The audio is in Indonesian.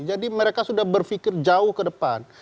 jadi mereka sudah berpikir jauh ke depan